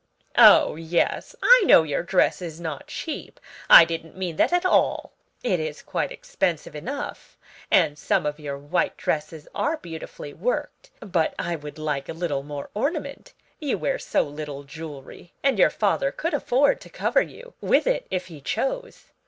"Oh, yes; I know your dress is not cheap; I didn't mean that at all: it is quite expensive enough, and some of your white dresses are beautifully worked; but I would like a little more ornament. You wear so little jewelry, and your father could afford to cover you with it if he chose.